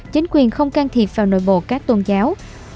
chính quyền không can thiệp vào nội bộ các tôn giáo